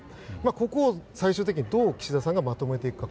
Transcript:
ここを最終的に岸田総理がどうまとめていくか。